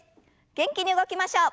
元気に動きましょう。